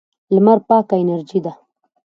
لمر پاکه انرژي ده.